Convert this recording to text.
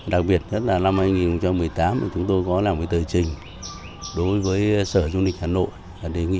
đặc biệt năm hai nghìn một mươi tám chúng tôi có làm tờ trình đối với sở du lịch hà nội